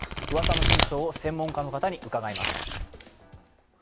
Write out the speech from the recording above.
うわさの真相を専門家の方に伺います。